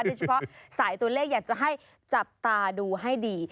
โดยเฉพาะสายตัวเลขอยากจะให้จับตาดูให้ดี